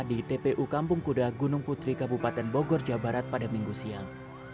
di tpu kampung kuda gunung putri kabupaten bogor jawa barat pada minggu siang